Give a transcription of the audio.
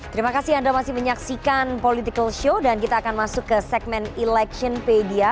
terima kasih anda masih menyaksikan political show dan kita akan masuk ke segmen electionpedia